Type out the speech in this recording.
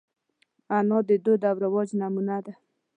انا د دود او رواج نمونه ده